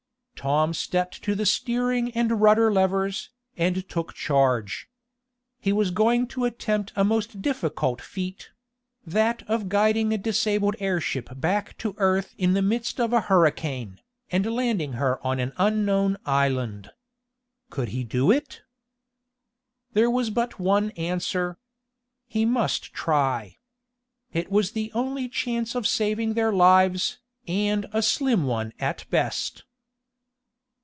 Tom stepped to the steering and rudder levers, and took charge. He was going to attempt a most difficult feat that of guiding a disabled airship back to earth in the midst of a hurricane, and landing her on an unknown island. Could he do it? There was but one answer. He must try. It was the only chance of saving their lives, and a slim one at best.